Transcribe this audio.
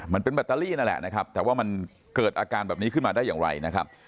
แบตเตอรี่นั่นแหละนะครับแต่ว่ามันเกิดอาการแบบนี้ขึ้นมาได้อย่างไรนะครับ